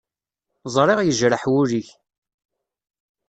Ẓriɣ yejreḥ wul-ik.